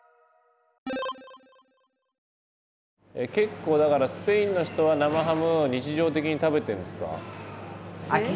結構だからスペインの人は生ハムを日常的に食べてるんですか？